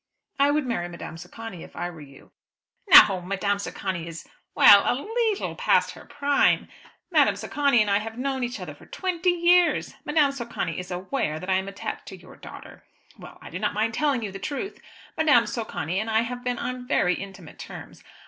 "I would marry Madame Socani if I were you." "No! Madame Socani is, well a leetle past her prime. Madame Socani and I have known each other for twenty years. Madame Socani is aware that I am attached to your daughter. Well; I do not mind telling you the truth. Madame Socani and I have been on very intimate terms.